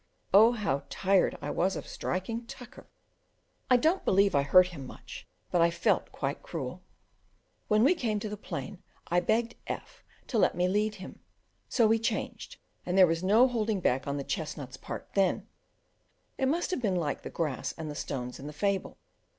Oh, how tired I was of striking Tucker! I don't believe I hurt him much, but I felt quite cruel. When we came to the plain, I begged F to let me lead him; so we changed, and there was no holding back on the chestnut's part then; it must have been like the grass and the stones in the fable.